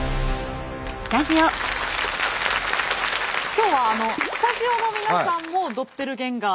今日はスタジオの皆さんもドッペルゲンガーしています。